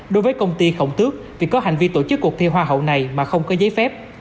đối với công ty khổng tước vì có hành vi tổ chức cuộc thi hoa hậu này mà không có giấy phép